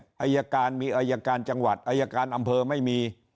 อายการมีอายการจังหวัดอายการอำเภอไม่มี